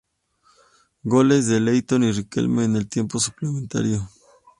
Goles de Leyton y Riquelme, en el tiempo suplementario.